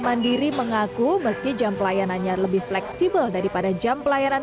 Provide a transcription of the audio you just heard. mandiri mengaku meski jam pelayanannya lebih fleksibel daripada jam pelayanan